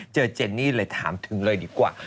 เจนนี่เลยถามถึงเลยดีกว่า